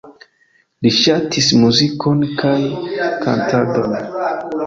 Li ŝatis muzikon kaj kantadon.